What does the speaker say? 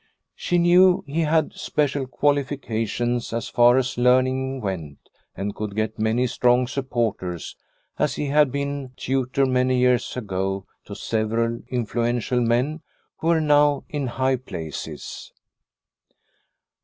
She knew he had special qualifications as far as learning went and could get many 2io Liliecrona's Home strong supporters, as he had been tutor many years ago to several influential men who were now in high places.